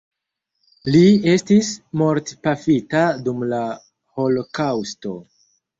Li estis mortpafita dum la holokaŭsto.